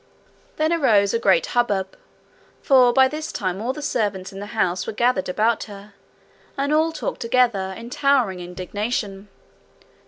Then arose a great hubbub; for by this time all the servants in the house were gathered about her, and all talked together, in towering indignation.